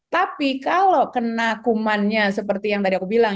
tapi kalau kena kumannya seperti yang tadi aku bilang